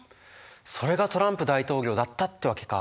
それがトランプ大統領だったってわけか。